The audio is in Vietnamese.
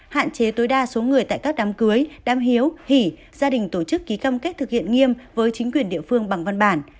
hạn chế tối đa số người tại các đám cưới đám hiếu hỉ gia đình tổ chức ký cam kết thực hiện nghiêm với chính quyền địa phương bằng văn bản